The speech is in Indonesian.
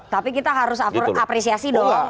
tapi kita harus apresiasi dong